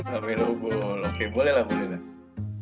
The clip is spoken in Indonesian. lamelo ball oke boleh lah